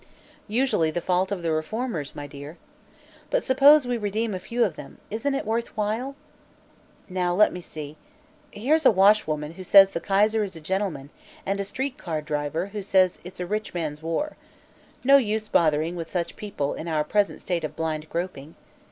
"Usually the fault of the reformers, my dear. But suppose we redeem a few of them, isn't it worth while? Now, let me see. Here's a washwoman who says the Kaiser is a gentleman, and a street car driver who says it's a rich man's war. No use bothering with such people in our present state of blind groping.